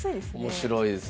面白いですね。